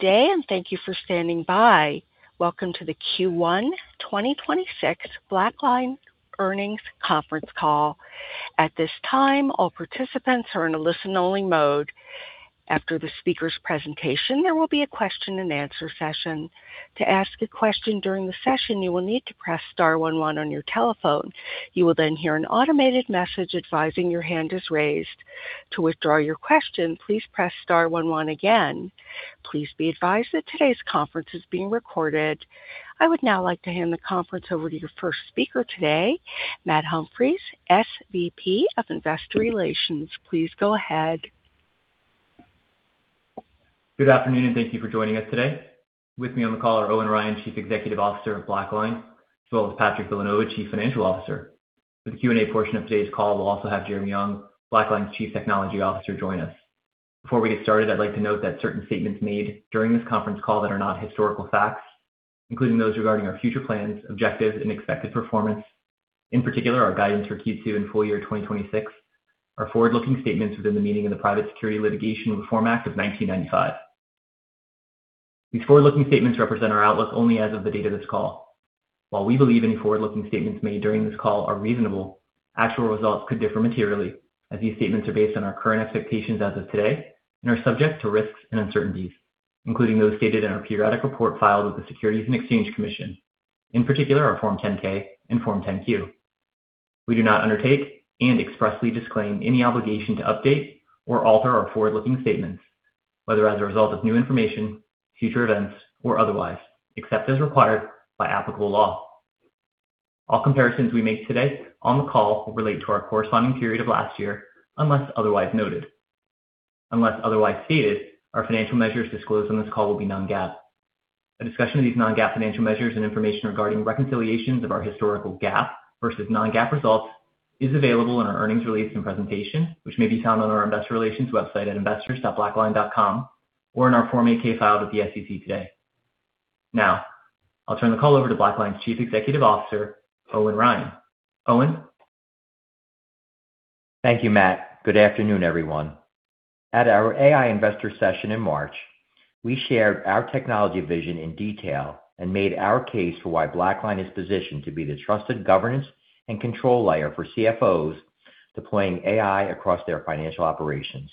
Day and thank you for standing by. Welcome to the Q1 2026 BlackLine Earnings Conference Call. At this time, all participants are in a listen-only mode. After the speaker's presentation, there will be a question and answer session. To ask a question during the session, you will need to press star one one on your telephone. You will hear an automated message advising your hand is raised. To withdraw your question, please press star one one again. Please be advised that today's conference is being recorded. I would now like to hand the conference over to your first speaker today, Matt Humphries, SVP of Investor Relations. Please go ahead. Good afternoon, and thank you for joining us today. With me on the call are Owen Ryan, Chief Executive Officer of BlackLine, as well as Patrick Villanova, Chief Financial Officer. For the Q&A portion of today's call, we'll also have Jeremy Ung, BlackLine's Chief Technology Officer, join us. Before we get started, I'd like to note that certain statements made during this conference call that are not historical facts, including those regarding our future plans, objectives, and expected performance, in particular, our guidance for Q2 and full year 2026, are forward-looking statements within the meaning of the Private Securities Litigation Reform Act of 1995. These forward-looking statements represent our outlook only as of the date of this call. While we believe any forward-looking statements made during this call are reasonable, actual results could differ materially as these statements are based on our current expectations as of today and are subject to risks and uncertainties, including those stated in our periodic report filed with the Securities and Exchange Commission, in particular our Form 10-K and Form 10-Q. We do not undertake and expressly disclaim any obligation to update or alter our forward-looking statements, whether as a result of new information, future events, or otherwise, except as required by applicable law. All comparisons we make today on the call will relate to our corresponding period of last year, unless otherwise noted. Unless otherwise stated, our financial measures disclosed on this call will be non-GAAP. A discussion of these non-GAAP financial measures and information regarding reconciliations of our historical GAAP versus non-GAAP results is available in our earnings release and presentation, which may be found on our investor relations website at investors.blackline.com or in our Form 8-K filed with the SEC today. Now, I'll turn the call over to BlackLine's Chief Executive Officer, Owen Ryan. Owen? Thank you, Matt. Good afternoon, everyone. At our AI investor session in March, we shared our technology vision in detail and made our case for why BlackLine is positioned to be the trusted governance and control layer for CFOs deploying AI across their financial operations.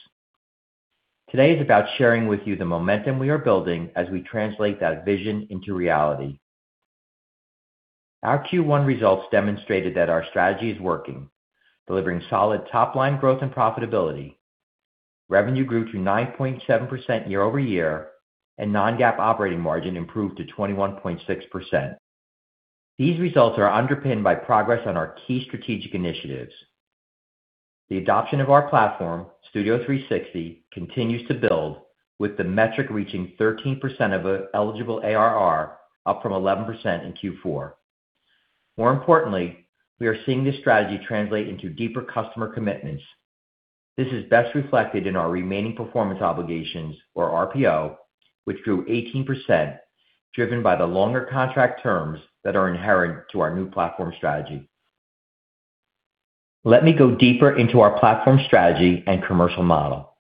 Today is about sharing with you the momentum we are building as we translate that vision into reality. Our Q1 results demonstrated that our strategy is working, delivering solid top-line growth and profitability. Revenue grew to 9.7% year-over-year, and non-GAAP operating margin improved to 21.6%. These results are underpinned by progress on our key strategic initiatives. The adoption of our platform, Studio360, continues to build, with the metric reaching 13% of eligible ARR, up from 11% in Q4. More importantly, we are seeing this strategy translate into deeper customer commitments. This is best reflected in our remaining performance obligations or RPO, which grew 18%, driven by the longer contract terms that are inherent to our new platform strategy. Let me go deeper into our platform strategy and commercial model.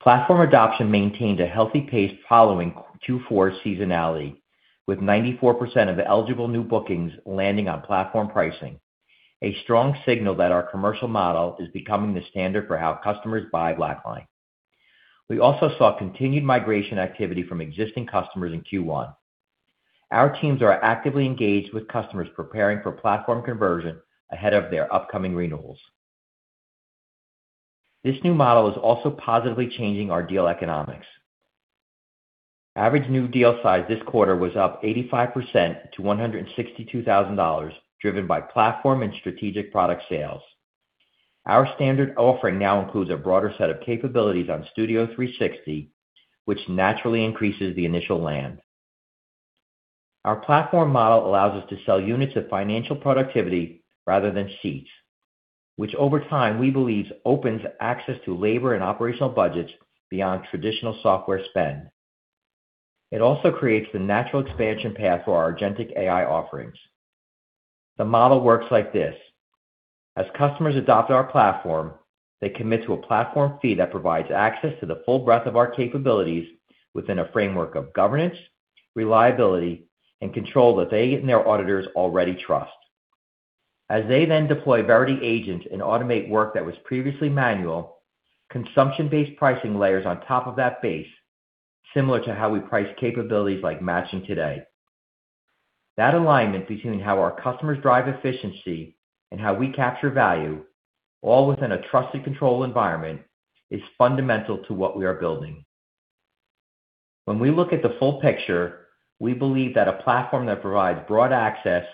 Platform adoption maintained a healthy pace following Q4 seasonality, with 94% of eligible new bookings landing on platform pricing, a strong signal that our commercial model is becoming the standard for how customers buy BlackLine. We also saw continued migration activity from existing customers in Q1. Our teams are actively engaged with customers preparing for platform conversion ahead of their upcoming renewals. This new model is also positively changing our deal economics. Average new deal size this quarter was up 85% to $162,000, driven by platform and strategic product sales. Our standard offering now includes a broader set of capabilities on Studio360, which naturally increases the initial land. Our platform model allows us to sell units of financial productivity rather than seats, which over time we believe opens access to labor and operational budgets beyond traditional software spend. It also creates the natural expansion path for our agentic AI offerings. The model works like this: As customers adopt our platform, they commit to a platform fee that provides access to the full breadth of our capabilities within a framework of governance, reliability, and control that they and their auditors already trust. As they then deploy Verity agents and automate work that was previously manual, consumption-based pricing layers on top of that base, similar to how we price capabilities like matching today. That alignment between how our customers drive efficiency and how we capture value, all within a trusted control environment, is fundamental to what we are building. When we look at the full picture, we believe that a platform that provides broad access,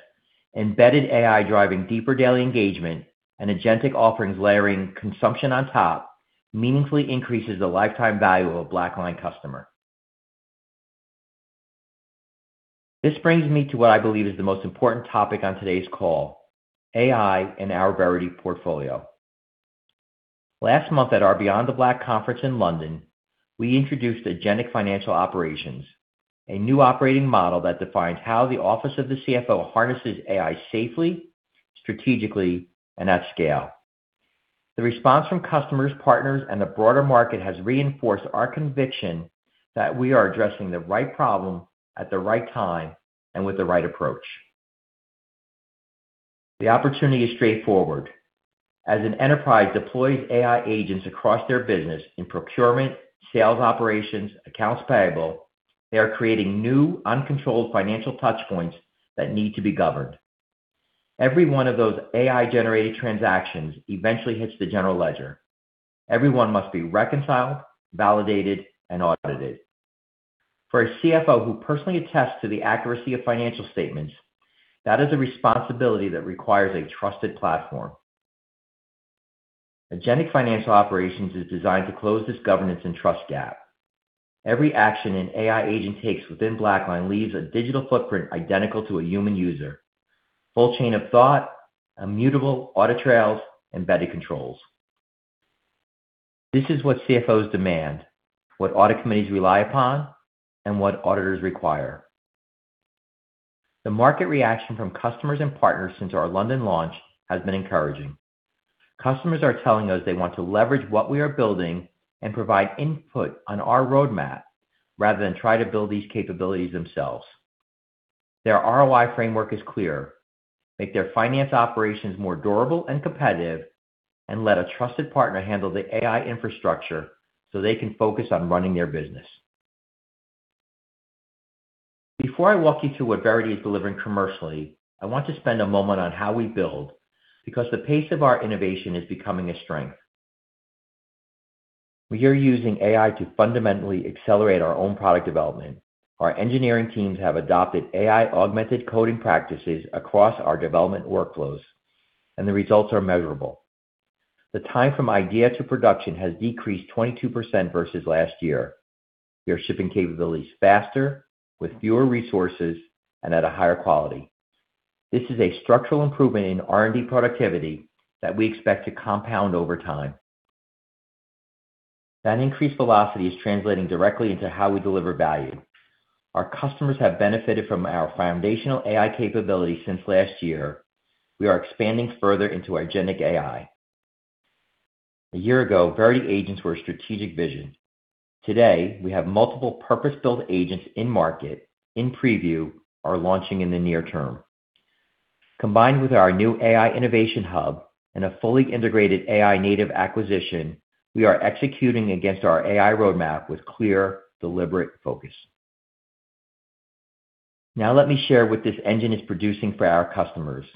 embedded AI driving deeper daily engagement, and Agentic offerings layering consumption on top meaningfully increases the lifetime value of a BlackLine customer. This brings me to what I believe is the most important topic on today's call, AI and our Verity portfolio. Last month at our BeyondTheBlack conference in London, we introduced Agentic Financial Operations, a new operating model that defines how the office of the CFO harnesses AI safely, strategically, and at scale. The response from customers, partners, and the broader market has reinforced our conviction that we are addressing the right problem at the right time and with the right approach. The opportunity is straightforward. As an enterprise deploys AI agents across their business in procurement, sales operations, accounts payable, they are creating new uncontrolled financial touch points that need to be governed. Every one of those AI-generated transactions eventually hits the general ledger. Every one must be reconciled, validated, and audited. For a CFO who personally attests to the accuracy of financial statements, that is a responsibility that requires a trusted platform. Agentic Financial Operations is designed to close this governance and trust gap. Every action an AI agent takes within BlackLine leaves a digital footprint identical to a human user, full chain of thought, immutable audit trails, embedded controls. This is what CFOs demand, what audit committees rely upon, and what auditors require. The market reaction from customers and partners since our London launch has been encouraging. Customers are telling us they want to leverage what we are building and provide input on our roadmap rather than try to build these capabilities themselves. Their ROI framework is clear. Make their finance operations more durable and competitive, let a trusted partner handle the AI infrastructure so they can focus on running their business. Before I walk you through what Verity is delivering commercially, I want to spend a moment on how we build, because the pace of our innovation is becoming a strength. We are using AI to fundamentally accelerate our own product development. Our engineering teams have adopted AI-augmented coding practices across our development workflows, the results are measurable. The time from idea to production has decreased 22% versus last year. We are shipping capabilities faster, with fewer resources, at a higher quality. This is a structural improvement in R&D productivity that we expect to compound over time. That increased velocity is translating directly into how we deliver value. Our customers have benefited from our foundational AI capabilities since last year. We are expanding further into our agentic AI. A year ago, Verity agents were a strategic vision. Today, we have multiple purpose-built agents in market, in preview, are launching in the near term. Combined with our new AI Innovation Hub and a fully integrated AI-native acquisition, we are executing against our AI roadmap with clear, deliberate focus. Let me share what this engine is producing for our customers.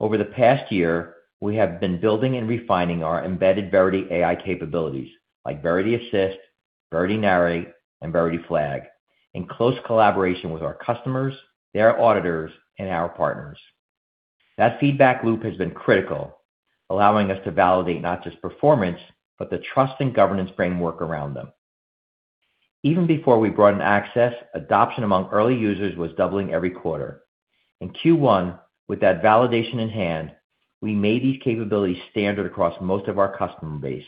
Over the past year, we have been building and refining our embedded Verity AI capabilities, like Verity Assist, Verity Narrate, and Verity Flag, in close collaboration with our customers, their auditors, and our partners. That feedback loop has been critical, allowing us to validate not just performance, but the trust and governance framework around them. Even before we broadened access, adoption among early users was doubling every quarter. In Q1, with that validation in hand, we made these capabilities standard across most of our customer base.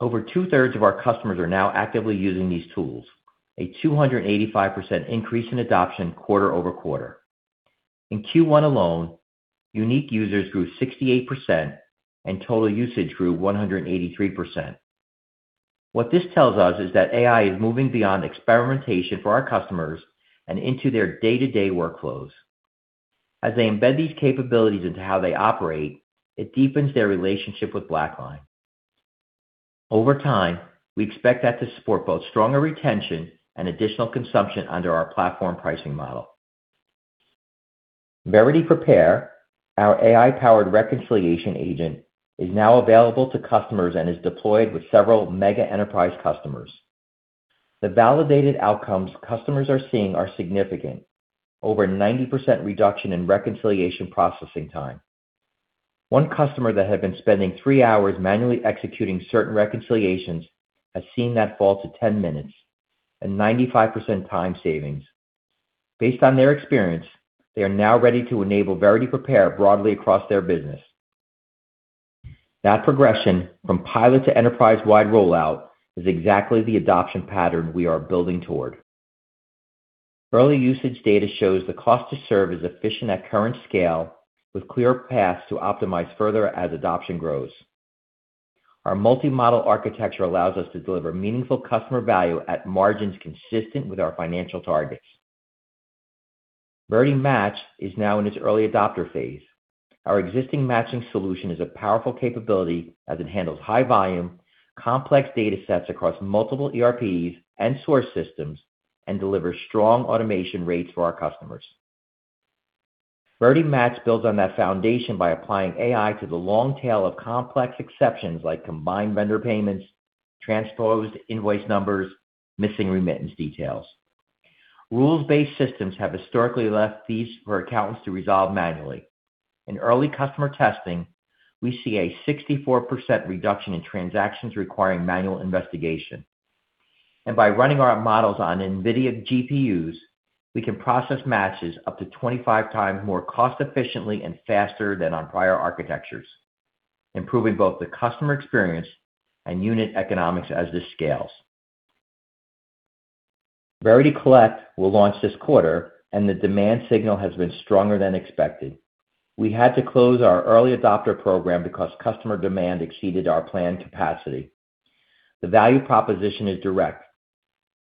Over 2/3 of our customers are now actively using these tools, a 285% increase in adoption quarter-over-quarter. In Q1 alone, unique users grew 68% and total usage grew 183%. What this tells us is that AI is moving beyond experimentation for our customers and into their day-to-day workflows. As they embed these capabilities into how they operate, it deepens their relationship with BlackLine. Over time, we expect that to support both stronger retention and additional consumption under our platform pricing model. Verity Prepare, our AI-powered reconciliation agent, is now available to customers and is deployed with several mega enterprise customers. The validated outcomes customers are seeing are significant. Over 90% reduction in reconciliation processing time. One customer that had been spending three hours manually executing certain reconciliations has seen that fall to 10 minutes, a 95% time savings. Based on their experience, they are now ready to enable Verity Prepare broadly across their business. That progression from pilot to enterprise-wide rollout is exactly the adoption pattern we are building toward. Early usage data shows the cost to serve is efficient at current scale with clear paths to optimize further as adoption grows. Our multi-model architecture allows us to deliver meaningful customer value at margins consistent with our financial targets. Verity Match is now in its early adopter phase. Our existing matching solution is a powerful capability as it handles high volume, complex data sets across multiple ERPs and source systems and delivers strong automation rates for our customers. Verity Match builds on that foundation by applying AI to the long tail of complex exceptions like combined vendor payments, transposed invoice numbers, missing remittance details. Rules-based systems have historically left these for accountants to resolve manually. In early customer testing, we see a 64% reduction in transactions requiring manual investigation. By running our models on NVIDIA GPUs, we can process matches up to 25 times more cost efficiently and faster than on prior architectures, improving both the customer experience and unit economics as this scales. Verity Collect will launch this quarter, and the demand signal has been stronger than expected. We had to close our early adopter program because customer demand exceeded our planned capacity. The value proposition is direct.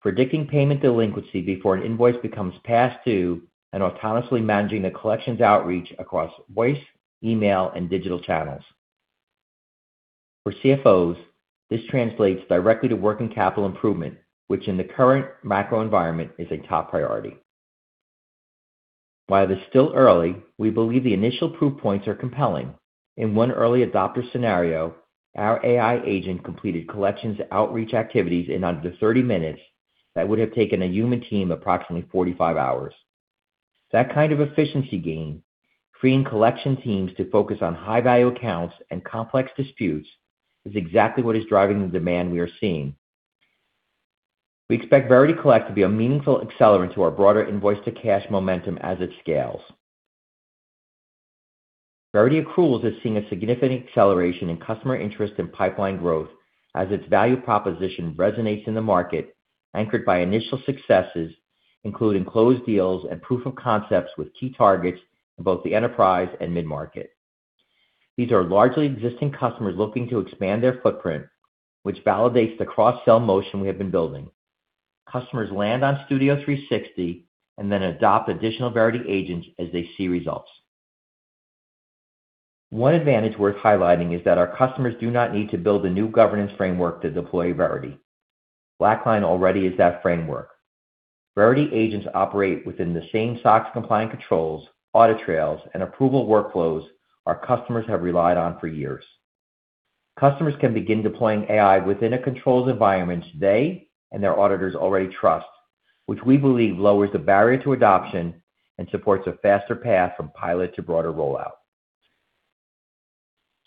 Predicting payment delinquency before an Invoice becomes past due and autonomously managing the collections outreach across voice, email, and digital channels. For CFOs, this translates directly to working capital improvement, which in the current macro environment is a top priority. While it is still early, we believe the initial proof points are compelling. In one early adopter scenario, our AI agent completed collections outreach activities in under 30 minutes that would have taken a human team approximately 45 hours. That kind of efficiency gain, freeing collection teams to focus on high-value accounts and complex disputes, is exactly what is driving the demand we are seeing. We expect Verity Collect to be a meaningful accelerant to our broader Invoice-to-Cash momentum as it scales. Verity Accruals is seeing a significant acceleration in customer interest and pipeline growth as its value proposition resonates in the market, anchored by initial successes, including closed deals and proof of concepts with key targets in both the enterprise and mid-market. These are largely existing customers looking to expand their footprint, which validates the cross-sell motion we have been building. Customers land on Studio360 and then adopt additional Verity agents as they see results. One advantage worth highlighting is that our customers do not need to build a new governance framework to deploy Verity. BlackLine already is that framework. Verity agents operate within the same SOX-compliant controls, audit trails, and approval workflows our customers have relied on for years. Customers can begin deploying AI within a controlled environment they and their auditors already trust, which we believe lowers the barrier to adoption and supports a faster path from pilot to broader rollout.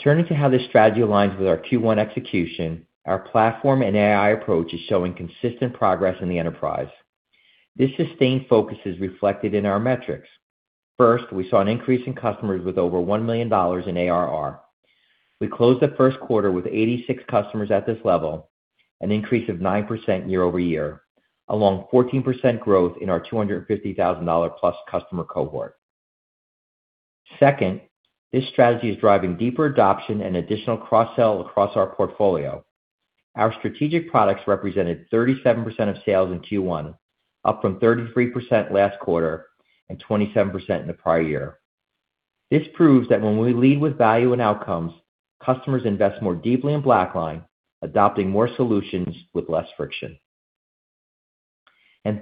Turning to how this strategy aligns with our Q1 execution, our platform and AI approach is showing consistent progress in the enterprise. This sustained focus is reflected in our metrics. First, we saw an increase in customers with over $1 million in ARR. We closed the first quarter with 86 customers at this level, an increase of 9% year-over-year, along 14% growth in our $250,000+ customer cohort. Second, this strategy is driving deeper adoption and additional cross-sell across our portfolio. Our strategic products represented 37% of sales in Q1, up from 33% last quarter and 27% in the prior year. This proves that when we lead with value and outcomes, customers invest more deeply in BlackLine, adopting more solutions with less friction.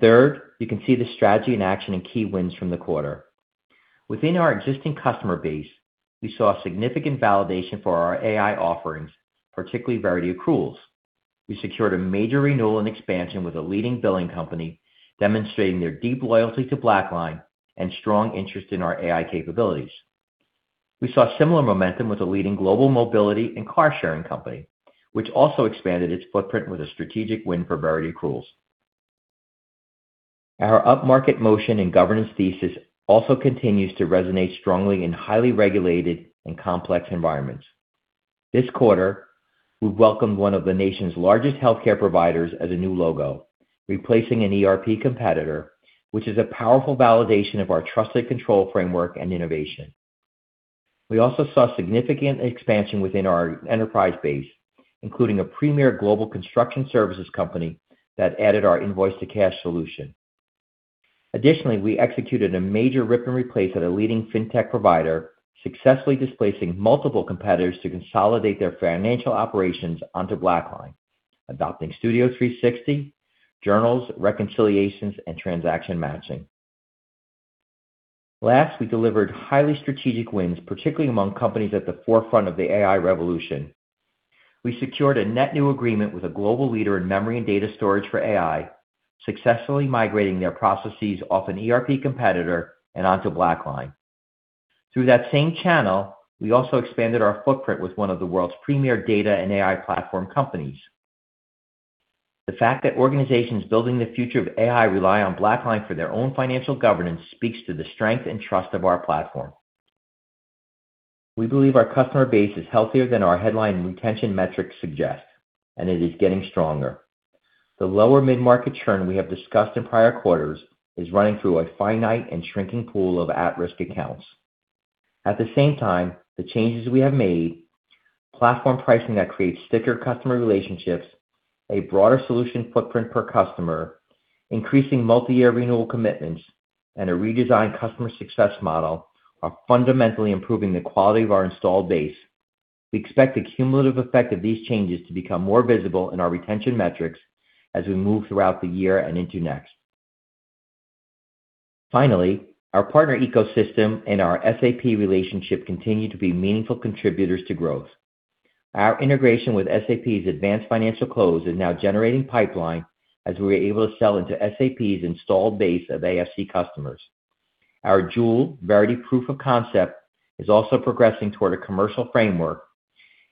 Third, you can see the strategy in action in key wins from the quarter. Within our existing customer base, we saw significant validation for our AI offerings, particularly Verity Accruals. We secured a major renewal and expansion with a leading billing company, demonstrating their deep loyalty to BlackLine and strong interest in our AI capabilities. We saw similar momentum with a leading global mobility and car-sharing company, which also expanded its footprint with a strategic win for Verity Accruals. Our upmarket motion and governance thesis also continues to resonate strongly in highly regulated and complex environments. This quarter, we welcomed one of the nation's largest healthcare providers as a new logo, replacing an ERP competitor, which is a powerful validation of our trusted control framework and innovation. We also saw significant expansion within our enterprise base, including a premier global construction services company that added our Invoice-to-Cash solution. Additionally, we executed a major rip and replace at a leading fintech provider, successfully displacing multiple competitors to consolidate their financial operations onto BlackLine, adopting Studio360, journals, reconciliations, and transaction matching. Last, we delivered highly strategic wins, particularly among companies at the forefront of the AI revolution. We secured a net new agreement with a global leader in memory and data storage for AI, successfully migrating their processes off an ERP competitor and onto BlackLine. Through that same channel, we also expanded our footprint with one of the world's premier data and AI platform companies. The fact that organizations building the future of AI rely on BlackLine for their own financial governance speaks to the strength and trust of our platform. We believe our customer base is healthier than our headline retention metrics suggest, and it is getting stronger. The lower mid-market churn we have discussed in prior quarters is running through a finite and shrinking pool of at-risk accounts. At the same time, the changes we have made, platform pricing that creates sticker customer relationships, a broader solution footprint per customer, increasing multiyear renewal commitments, and a redesigned customer success model are fundamentally improving the quality of our installed base. We expect the cumulative effect of these changes to become more visible in our retention metrics as we move throughout the year and into next. Finally, our partner ecosystem and our SAP relationship continue to be meaningful contributors to growth. Our integration with SAP's Advanced Financial Close is now generating pipeline as we are able to sell into SAP's installed base of AFC customers. Our Joule Verity proof of concept is also progressing toward a commercial framework.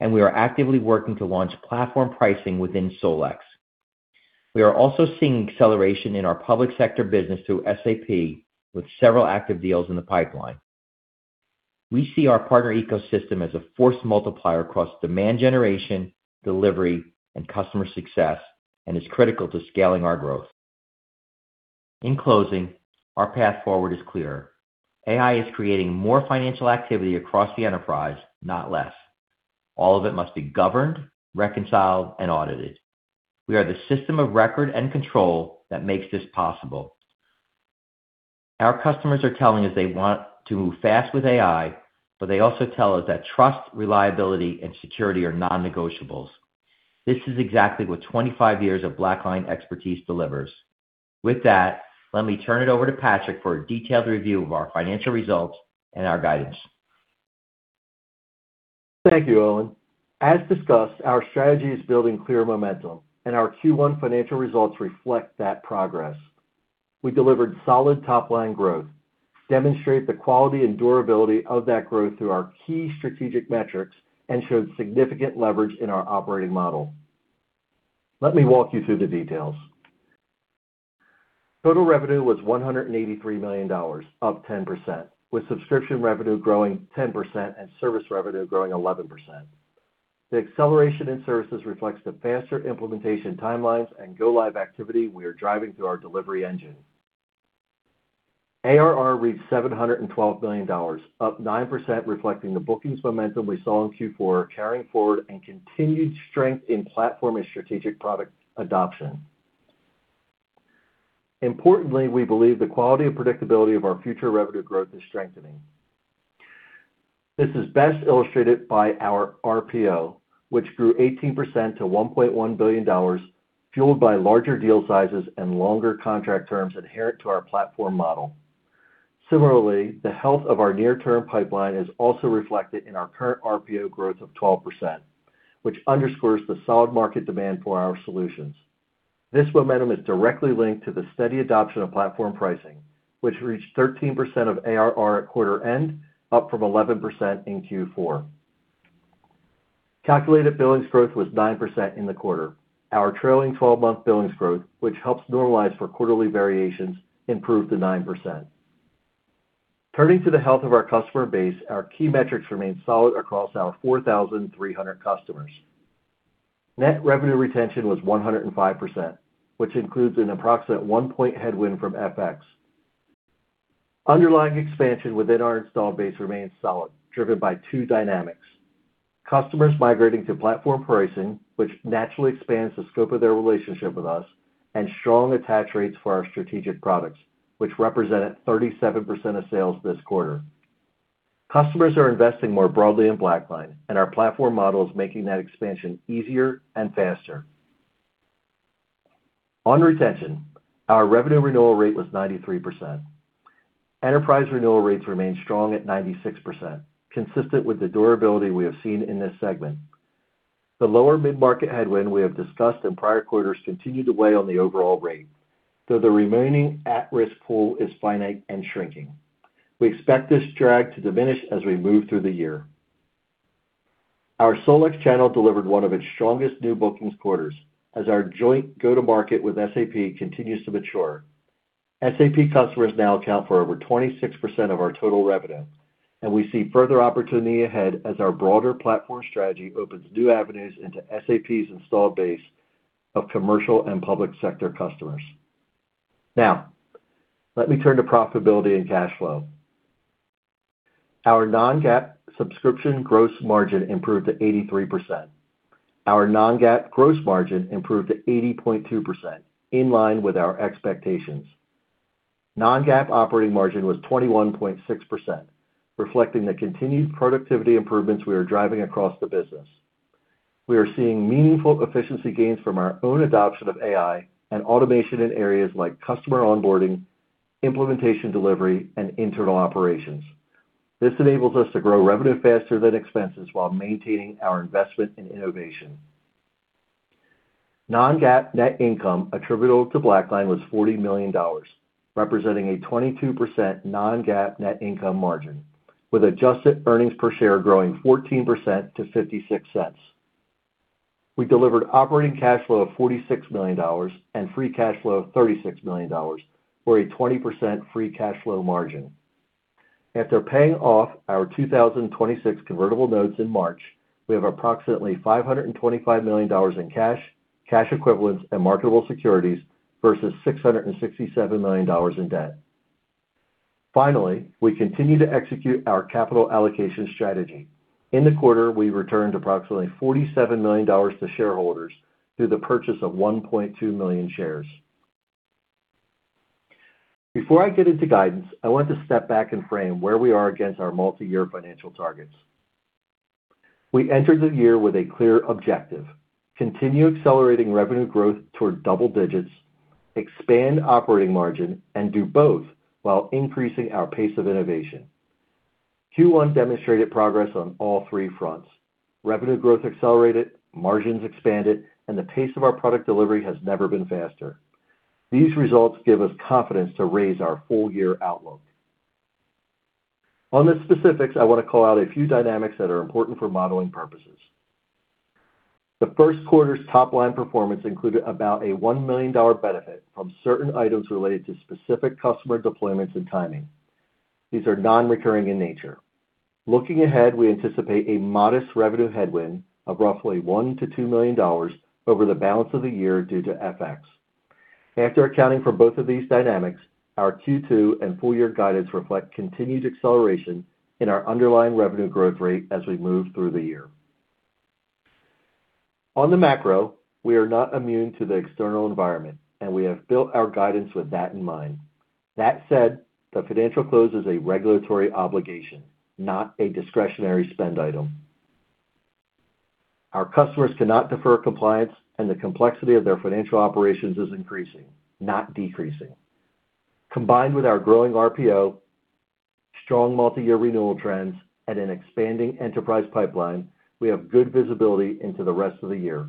We are actively working to launch platform pricing within SolEx. We are also seeing acceleration in our public sector business through SAP with several active deals in the pipeline. We see our partner ecosystem as a force multiplier across demand generation, delivery, and customer success, and is critical to scaling our growth. In closing, our path forward is clear. AI is creating more financial activity across the enterprise, not less. All of it must be governed, reconciled, and audited. We are the system of record and control that makes this possible. Our customers are telling us they want to move fast with AI. They also tell us that trust, reliability, and security are non-negotiables. This is exactly what 25 years of BlackLine expertise delivers. With that, let me turn it over to Patrick for a detailed review of our financial results and our guidance. Thank you, Owen. As discussed, our strategy is building clear momentum, and our Q1 financial results reflect that progress. We delivered solid top-line growth, demonstrate the quality and durability of that growth through our key strategic metrics, and showed significant leverage in our operating model. Let me walk you through the details. Total revenue was $183 million, up 10%, with subscription revenue growing 10% and service revenue growing 11%. The acceleration in services reflects the faster implementation timelines and go live activity we are driving through our delivery engine. ARR reached $712 million, up 9%, reflecting the bookings momentum we saw in Q4 carrying forward and continued strength in platform and strategic product adoption. Importantly, we believe the quality and predictability of our future revenue growth is strengthening. This is best illustrated by our RPO, which grew 18% to $1.1 billion, fueled by larger deal sizes and longer contract terms inherent to our platform model. Similarly, the health of our near-term pipeline is also reflected in our current RPO growth of 12%, which underscores the solid market demand for our solutions. This momentum is directly linked to the steady adoption of platform pricing, which reached 13% of ARR at quarter end, up from 11% in Q4. Calculated billings growth was 9% in the quarter. Our trailing 12-month billings growth, which helps normalize for quarterly variations, improved to 9%. Turning to the health of our customer base, our key metrics remain solid across our 4,300 customers. Net revenue retention was 105%, which includes an approximate 1 point headwind from FX. Underlying expansion within our installed base remains solid, driven by two dynamics. Customers migrating to platform pricing, which naturally expands the scope of their relationship with us, and strong attach rates for our strategic products, which represented 37% of sales this quarter. Customers are investing more broadly in BlackLine, and our platform model is making that expansion easier and faster. On retention, our revenue renewal rate was 93%. Enterprise renewal rates remain strong at 96%, consistent with the durability we have seen in this segment. The lower mid-market headwind we have discussed in prior quarters continued to weigh on the overall rate, though the remaining at-risk pool is finite and shrinking. We expect this drag to diminish as we move through the year. Our SolEx channel delivered one of its strongest new bookings quarters as our joint go-to-market with SAP continues to mature. SAP customers now account for over 26% of our total revenue, and we see further opportunity ahead as our broader platform strategy opens new avenues into SAP's installed base of commercial and public sector customers. Now, let me turn to profitability and cash flow. Our non-GAAP subscription gross margin improved to 83%. Our non-GAAP gross margin improved to 80.2%, in line with our expectations. Non-GAAP operating margin was 21.6%, reflecting the continued productivity improvements we are driving across the business. We are seeing meaningful efficiency gains from our own adoption of AI and automation in areas like customer onboarding, implementation delivery, and internal operations. This enables us to grow revenue faster than expenses while maintaining our investment in innovation. Non-GAAP net income attributable to BlackLine was $40 million, representing a 22% non-GAAP net income margin, with adjusted earnings per share growing 14% to $0.56. We delivered operating cash flow of $46 million and free cash flow of $36 million, for a 20% free cash flow margin. After paying off our 2026 convertible notes in March, we have approximately $525 million in cash equivalents, and marketable securities versus $667 million in debt. We continue to execute our capital allocation strategy. In the quarter, we returned approximately $47 million to shareholders through the purchase of 1.2 million shares. Before I get into guidance, I want to step back and frame where we are against our multi-year financial targets. We entered the year with a clear objective, continue accelerating revenue growth toward double digits, expand operating margin, and do both while increasing our pace of innovation. Q1 demonstrated progress on all three fronts. Revenue growth accelerated, margins expanded, and the pace of our product delivery has never been faster. These results give us confidence to raise our full-year outlook. On the specifics, I want to call out a few dynamics that are important for modeling purposes. The first quarter's top line performance included about a $1 million benefit from certain items related to specific customer deployments and timing. These are non-recurring in nature. Looking ahead, we anticipate a modest revenue headwind of roughly $1 million-$2 million over the balance of the year due to FX. After accounting for both of these dynamics, our Q2 and full year guidance reflect continued acceleration in our underlying revenue growth rate as we move through the year. On the macro, we are not immune to the external environment, and we have built our guidance with that in mind. That said, the financial close is a regulatory obligation, not a discretionary spend item. Our customers cannot defer compliance, and the complexity of their financial operations is increasing, not decreasing. Combined with our growing RPO, strong multi-year renewal trends, and an expanding enterprise pipeline, we have good visibility into the rest of the year.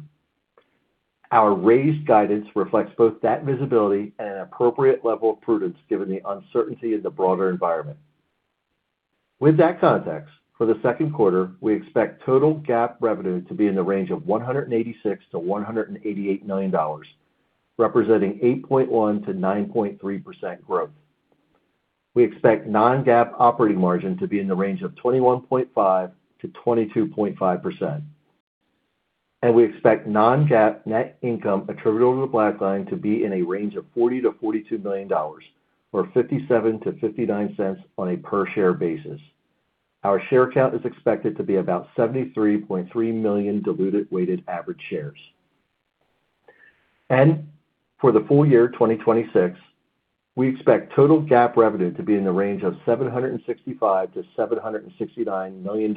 Our raised guidance reflects both that visibility and an appropriate level of prudence given the uncertainty in the broader environment. With that context, for the second quarter, we expect total GAAP revenue to be in the range of $186 million-$188 million, representing 8.1%-9.3% growth. We expect non-GAAP operating margin to be in the range of 21.5%-22.5%. We expect non-GAAP net income attributable to BlackLine to be in a range of $40 million-$42 million, or $0.57-$0.59 on a per share basis. Our share count is expected to be about 73.3 million diluted weighted average shares. For the full year 2026, we expect total GAAP revenue to be in the range of $765 million-$769 million,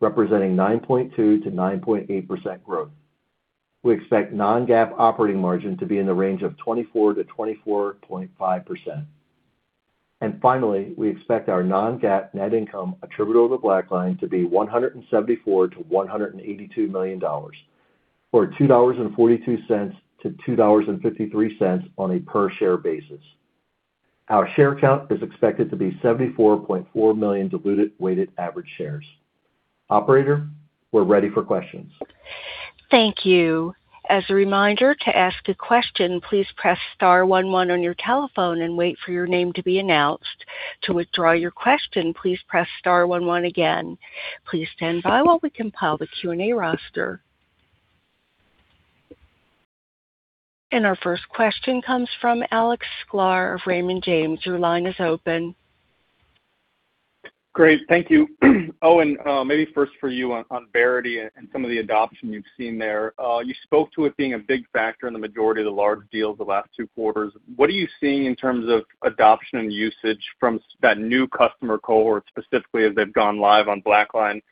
representing 9.2%-9.8% growth. We expect non-GAAP operating margin to be in the range of 24%-24.5%. Finally, we expect our non-GAAP net income attributable to BlackLine to be $174 million-$182 million, or $2.42-$2.53 on a per share basis. Our share count is expected to be 74.4 million diluted weighted average shares. Operator, we're ready for questions. Thank you. As a reminder to ask a question, please press star one one on your telephone and wait for your name to be announced. To withdraw your question, please press star one one again. Please stand by while we compile the Q&A roster. Our first question comes from Alex Sklar of Raymond James. Your line is open. Great. Thank you. Owen, maybe first for you on Verity and some of the adoption you've seen there. You spoke to it being a big factor in the majority of the large deals the last two quarters. What are you seeing in terms of adoption and usage from that new customer cohort specifically as they've gone live on BlackLine?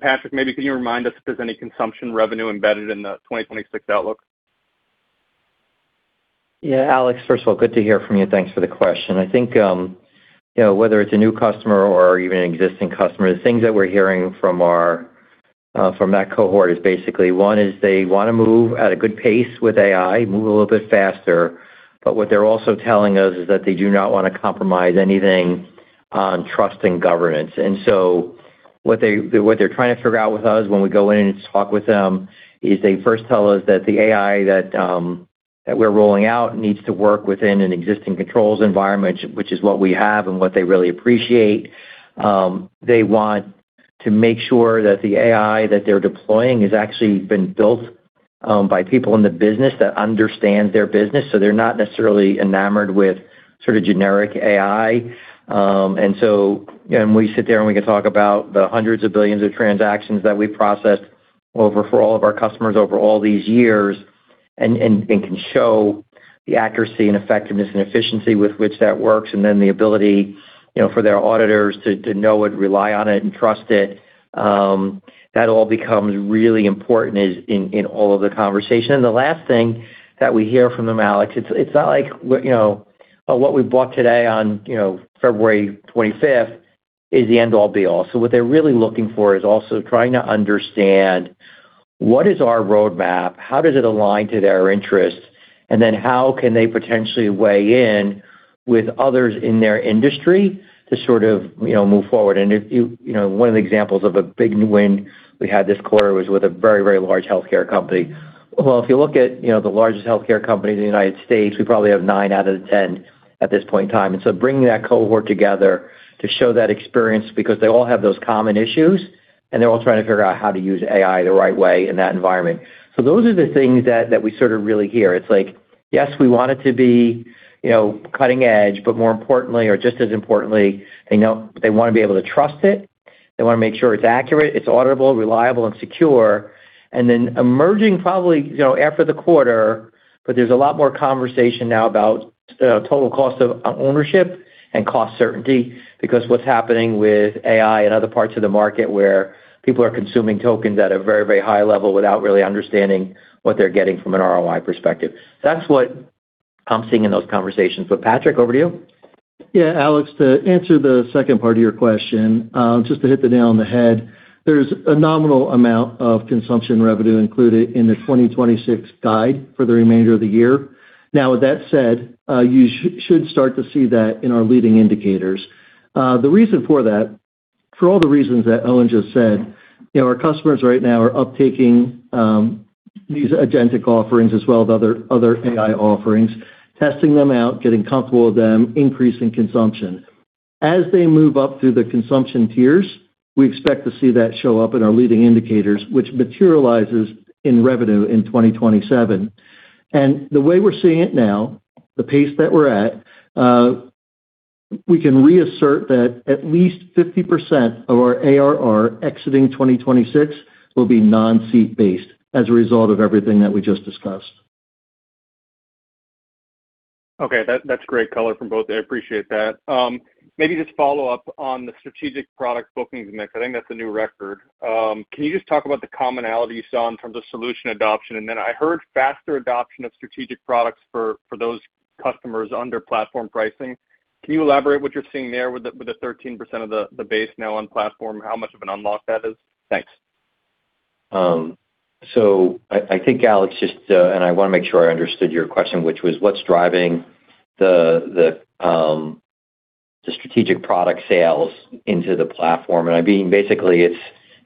Patrick, maybe can you remind us if there's any consumption revenue embedded in the 2026 outlook? Yeah. Alex, first of all, good to hear from you. Thanks for the question. I think, you know, whether it's a new customer or even an existing customer, the things that we're hearing from our from that cohort is basically, one, is they wanna move at a good pace with AI, move a little bit faster. What they're also telling us is that they do not wanna compromise anything on trust and governance. What they're trying to figure out with us when we go in and talk with them is they first tell us that the AI that we're rolling out needs to work within an existing controls environment, which is what we have and what they really appreciate. They want to make sure that the AI that they're deploying has actually been built by people in the business that understand their business, so they're not necessarily enamored with sort of generic AI. We sit there, and we can talk about the hundreds of billions of transactions that we've processed over for all of our customers over all these years and can show the accuracy and effectiveness and efficiency with which that works, and then the ability, you know, for their auditors to know it, rely on it, and trust it. That all becomes really important in all of the conversation. The last thing that we hear from them, Alex, it's not like, you know, what we bought today on, you know, February 25th is the end all be all. What they're really looking for is also trying to understand what is our roadmap, how does it align to their interests, and then how can they potentially weigh in with others in their industry to sort of, you know, move forward. If you know, one of the examples of a big win we had this quarter was with a very, very large healthcare company. Well, if you look at, you know, the largest healthcare company in the United States, we probably have nine out of the 10 at this point in time. Bringing that cohort together to show that experience because they all have those common issues, and they're all trying to figure out how to use AI the right way in that environment. Those are the things that we sort of really hear. It's like, yes, we want it to be, you know, cutting edge, but more importantly or just as importantly, they know they wanna be able to trust it. They wanna make sure it's accurate, it's auditable, reliable, and secure. Emerging probably, you know, after the quarter, but there's a lot more conversation now about total cost of ownership and cost certainty because what's happening with AI and other parts of the market where people are consuming tokens at a very, very high level without really understanding what they're getting from an ROI perspective. That's what I'm seeing in those conversations. Patrick, over to you. Yeah, Alex, to answer the second part of your question, just to hit the nail on the head, there's a nominal amount of consumption revenue included in the 2026 guide for the remainder of the year. With that said, you should start to see that in our leading indicators. The reason for that, for all the reasons that Owen just said, you know, our customers right now are uptaking these agentic offerings as well as other AI offerings, testing them out, getting comfortable with them, increasing consumption. As they move up through the consumption tiers, we expect to see that show up in our leading indicators, which materializes in revenue in 2027. The way we're seeing it now, the pace that we're at, we can reassert that at least 50% of our ARR exiting 2026 will be non-seat based as a result of everything that we just discussed. Okay. That's great color from both. I appreciate that. Maybe just follow up on the strategic product bookings mix. I think that's a new record. Can you just talk about the commonality you saw in terms of solution adoption? I heard faster adoption of strategic products for those customers under platform pricing. Can you elaborate what you're seeing there with the 13% of the base now on platform, how much of an unlock that is? Thanks. I think Alex just, and I wanna make sure I understood your question, which was what's driving the strategic product sales into the platform. I mean, basically,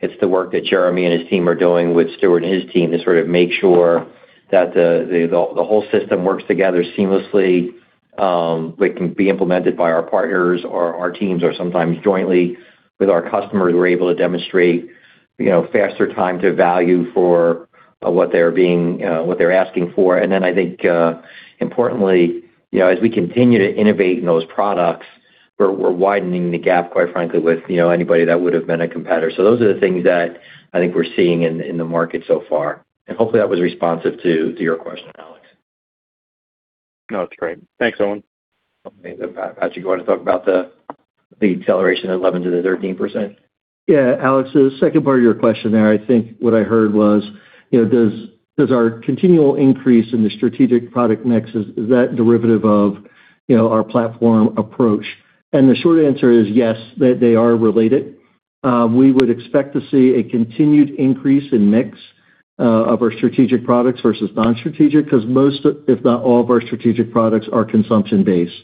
it's the work that Jeremy and his team are doing with Stuart and his team to sort of make sure that the whole system works together seamlessly, but can be implemented by our partners or our teams or sometimes jointly with our customers. We're able to demonstrate, you know, faster time to value for what they're being, what they're asking for. I think, importantly, you know, as we continue to innovate in those products, we're widening the gap, quite frankly, with, you know, anybody that would have been a competitor. Those are the things that I think we're seeing in the market so far. Hopefully that was responsive to your question, Alex. No, that's great. Thanks, Owen. Okay. Patrick, you want to talk about the acceleration of 11%-13%? Yeah. Alex, the second part of your question there, I think what I heard was, you know, does our continual increase in the strategic product mix is that derivative of, you know, our platform approach? The short answer is yes, that they are related. We would expect to see a continued increase in mix of our strategic products versus non-strategic 'cause most, if not all of our strategic products are consumption-based.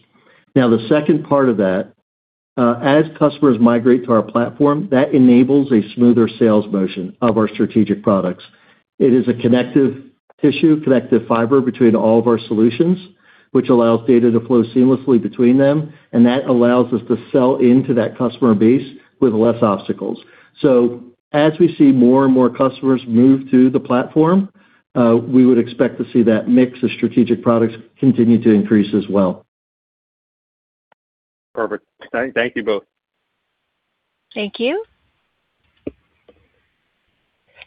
The second part of that, as customers migrate to our platform, that enables a smoother sales motion of our strategic products. It is a connective tissue, connective fiber between all of our solutions, which allows data to flow seamlessly between them, that allows us to sell into that customer base with less obstacles. As we see more and more customers move to the platform, we would expect to see that mix of strategic products continue to increase as well. Perfect. Thank you both. Thank you.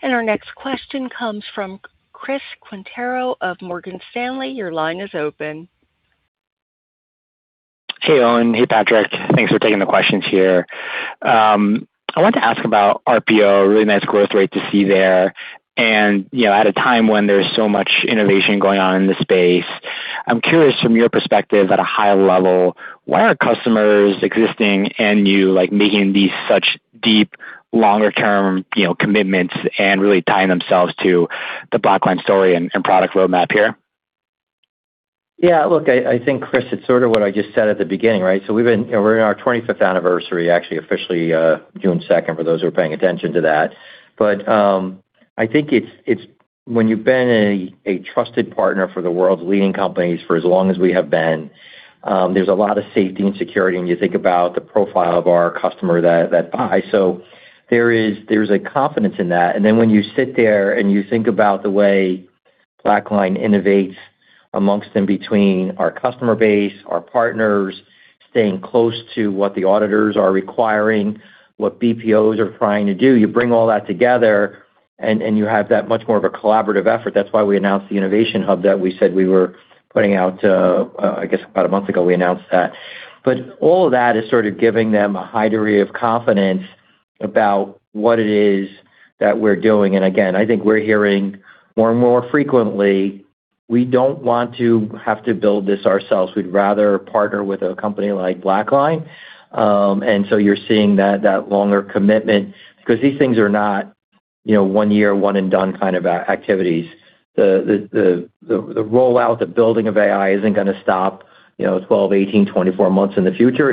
Our next question comes from Chris Quintero of Morgan Stanley. Your line is open. Hey, Owen. Hey, Patrick. Thanks for taking the questions here. I wanted to ask about RPO. Really nice growth rate to see there and, you know, at a time when there's so much innovation going on in the space. I'm curious from your perspective at a high level, why are customers existing and you like making these such deep longer-term, you know, commitments and really tying themselves to the BlackLine story and product roadmap here? Chris, it's sort of what I just said at the beginning, right? We've been, you know, we're in our 25th anniversary, actually officially, June 2nd, for those who are paying attention to that. I think it's when you've been a trusted partner for the world's leading companies for as long as we have been, there's a lot of safety and security when you think about the profile of our customer that buy. There's a confidence in that. When you sit there and you think about the way BlackLine innovates amongst and between our customer base, our partners, staying close to what the auditors are requiring, what BPOs are trying to do, you bring all that together and you have that much more of a collaborative effort. That's why we announced the innovation hub that we said we were putting out, I guess about a month ago, we announced that. All of that is sort of giving them a high degree of confidence about what it is that we're doing. Again, I think we're hearing more and more frequently, "We don't want to have to build this ourselves. We'd rather partner with a company like BlackLine." So you're seeing that longer commitment 'cause these things are not, you know, one year, one and done kind of activities. The rollout, the building of AI isn't gonna stop, you know, 12, 18, 24 months in the future.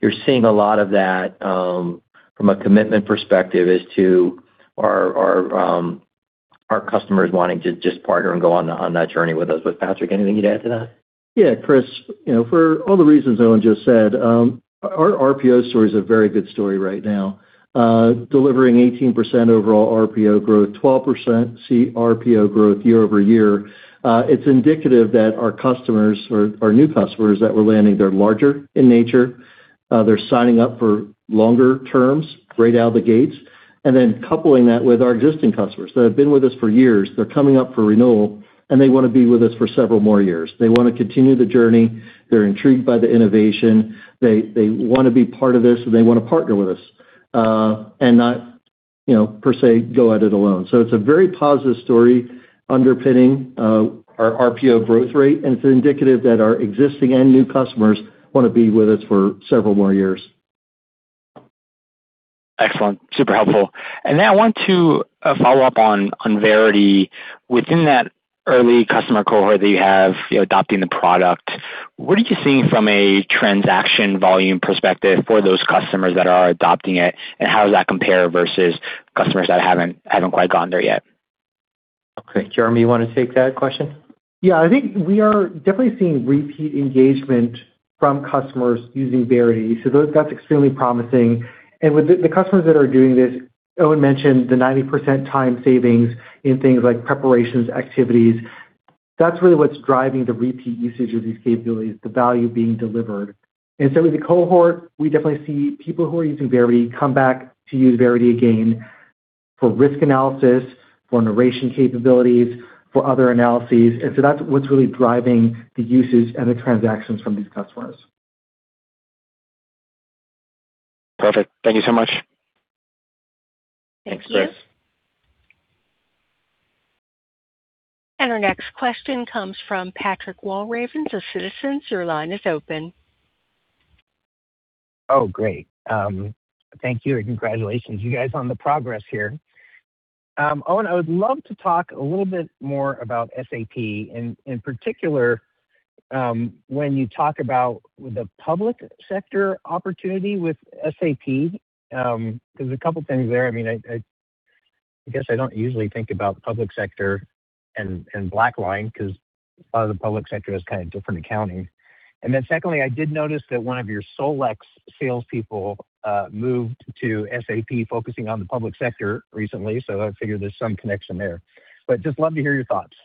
You're seeing a lot of that, from a commitment perspective as to our customers wanting to just partner and go on that journey with us. Patrick, anything you'd add to that? Yeah, Chris. You know, for all the reasons Owen just said, our RPO story is a very good story right now. Delivering 18% overall RPO growth, 12% CRPO growth year-over-year, it's indicative that our customers or our new customers that we're landing, they're larger in nature, they're signing up for longer terms right out of the gates, and then coupling that with our existing customers that have been with us for years. They're coming up for renewal, they wanna be with us for several more years. They wanna continue the journey. They're intrigued by the innovation. They wanna be part of this, they wanna partner with us, not, you know, per se go at it alone. It's a very positive story underpinning our RPO growth rate, and it's indicative that our existing and new customers wanna be with us for several more years. Excellent. Super helpful. Now I want to follow up on Verity. Within that early customer cohort that you have, you know, adopting the product, what are you seeing from a transaction volume perspective for those customers that are adopting it, and how does that compare versus customers that haven't quite gotten there yet? Okay, Jeremy, you wanna take that question? Yeah. I think we are definitely seeing repeat engagement from customers using Verity, so that's extremely promising. With the customers that are doing this, Owen mentioned the 90% time savings in things like preparations, activities. That's really what's driving the repeat usage of these capabilities, the value being delivered. With the cohort, we definitely see people who are using Verity come back to use Verity again for risk analysis, for narration capabilities, for other analyses. That's what's really driving the usage and the transactions from these customers. Perfect. Thank you so much. Thanks, Chris. Thank you. Our next question comes from Patrick Walravens of Citizens. Your line is open. Oh, great. Thank you, and congratulations, you guys, on the progress here. Owen, I would love to talk a little bit more about SAP and, in particular, when you talk about the public sector opportunity with SAP. There's a couple things there. I mean, I guess I don't usually think about the public sector and BlackLine 'cause a lot of the public sector has kind of different accounting. Secondly, I did notice that one of your SolEx salespeople moved to SAP focusing on the public sector recently, so I figure there's some connection there. Just love to hear your thoughts.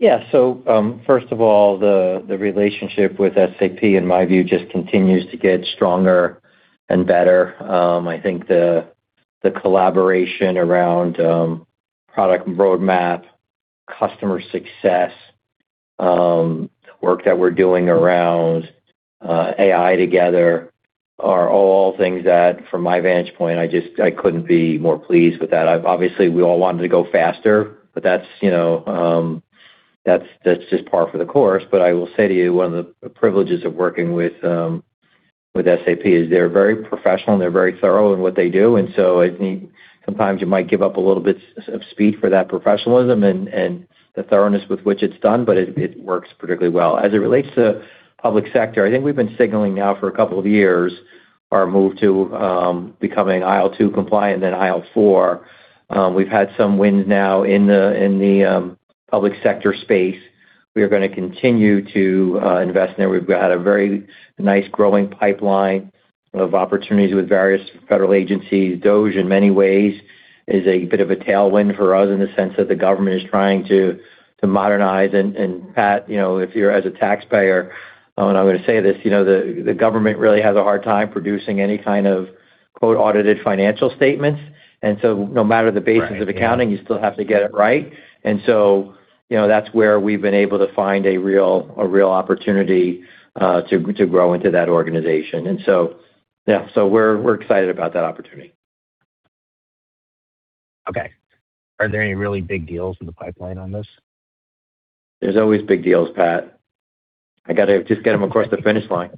First of all, the relationship with SAP, in my view, just continues to get stronger and better. I think the collaboration around product roadmap, customer success, work that we're doing around AI together are all things that, from my vantage point, I couldn't be more pleased with that. Obviously, we all wanted to go faster, but that's, you know, that's just par for the course. I will say to you, one of the privileges of working with SAP is they're very professional, and they're very thorough in what they do. I think sometimes you might give up a little bit of speed for that professionalism and the thoroughness with which it's done, but it works particularly well. As it relates to public sector, I think we've been signaling now for a couple of years our move to becoming IL2 compliant, then IL4. We've had some wins now in the public sector space. We are gonna continue to invest, and we've got a very nice growing pipeline of opportunities with various federal agencies. DOGE, in many ways, is a bit of a tailwind for us in the sense that the government is trying to modernize. Pat, you know, if you're, as a taxpayer, and I'm gonna say this, you know, the government really has a hard time producing any kind of, quote, "audited financial statements. Right. Yeah. And so, no matter the basis of accounting, you still have to get it right. You know, that's where we've been able to find a real opportunity to grow into that organization. Yeah, we're excited about that opportunity. Okay. Are there any really big deals in the pipeline on this? There's always big deals, Pat. I gotta just get them across the finish line.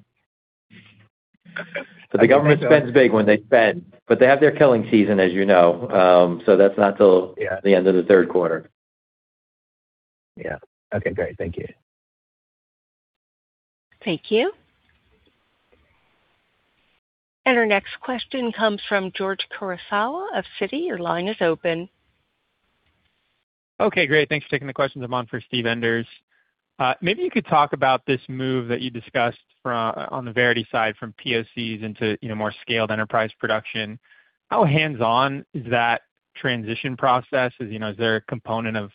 The government spends big when they spend, but they have their selling season, as you know. That's not till- Yeah. -the end of the third quarter. Yeah. Okay, great. Thank you. Thank you. Our next question comes from George Kurosawa of Citi. Your line is open. Okay, great. Thanks for taking the question. I'm on for Steve Enders. Maybe you could talk about this move that you discussed on the Verity side from PoCs into, you know, more scaled enterprise production. How hands-on is that transition process? As you know, is there a component of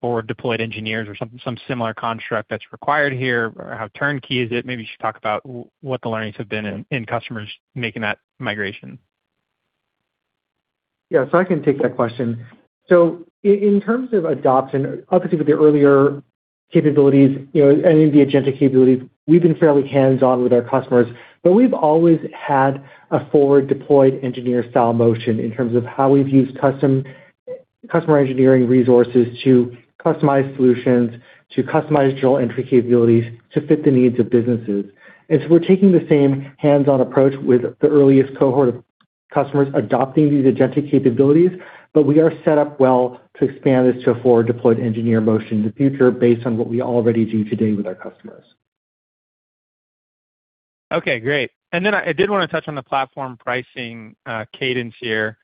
forward deployed engineers or some similar construct that's required here? How turnkey is it? Maybe you should talk about what the learnings have been in customers making that migration. Yeah. I can take that question. In terms of adoption, obviously, with the earlier capabilities, you know, any of the agentic capabilities, we've been fairly hands-on with our customers. We've always had a forward deployed engineer style motion in terms of how we've used customer engineering resources to customize solutions, to customize journal entry capabilities to fit the needs of businesses. We're taking the same hands-on approach with the earliest cohort of customers adopting these agentic capabilities, we are set up well to expand this to a forward deployed engineer motion in the future based on what we already do today with our customers. Okay, great. I did wanna touch on the platform pricing cadence here.